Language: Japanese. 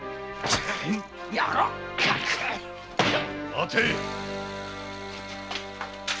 待て！